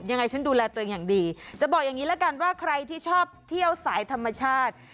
ยังไงฉันดูแลตัวเองอย่างดีจะบอกอย่างนี้ละกันว่าใครที่ชอบเที่ยวสายธรรมชาติ